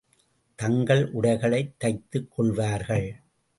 தங்கள் உடைகளைத் தைத்துக் கொள்வார்கள்.